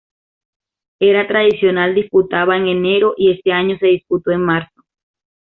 Era tradicional disputaba en enero y ese año se disputó en marzo.